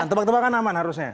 tebak tebakan aman harusnya